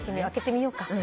開けてみようか。